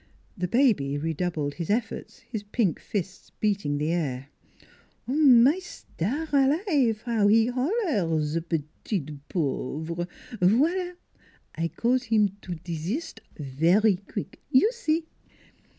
The baby re doubled his efforts, his pink fists beating the air. " My star alive ! how he holler ze petit pauvref Folia! I cause heem to desist vary qweek, you see."